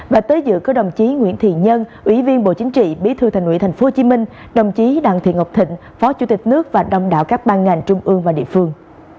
và tới giữa có đồng chí nguyễn thị nhân ủy viên bộ chính trị bí thư thành ủy tp hcm đồng chí đặng thị ngọc thịnh phó chủ tịch nước và đồng đạo các bang ngành trung ương và địa phương